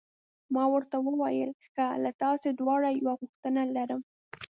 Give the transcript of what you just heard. ما ورته وویل: ښه، له تاسي دواړو یوه غوښتنه لرم.